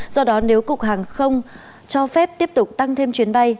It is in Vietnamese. do đó nếu cục hàng không cho phép tiếp tục tăng thêm chuyến bay